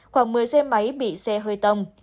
khoảng một mươi xe máy bị xe hơi tông